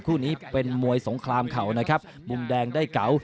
คู่นี้เป็นมวยสงครามเข่านะครับมุมแดงได้เก๋า